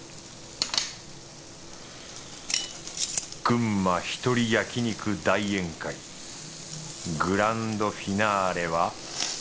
群馬一人焼肉大宴会グランドフィナーレは